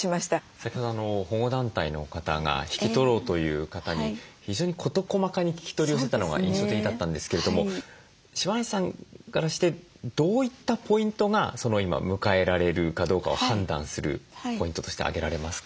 先ほど保護団体の方が引き取ろうという方に非常に事細かに聞き取りをしてたのが印象的だったんですけれども柴内さんからしてどういったポイントが今迎えられるかどうかを判断するポイントとして挙げられますか？